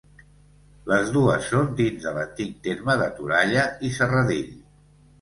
Les dues són dins de l'antic terme de Toralla i Serradell.